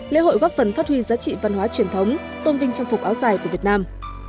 lễ hội góp phần phát huy giá trị văn hóa truyền thống tôn vinh trang phục áo dài của việt nam